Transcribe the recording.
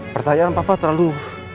pertanyaan papa terlalu